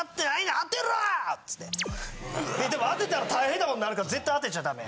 でも当てたら大変なことになるから絶対当てちゃダメ。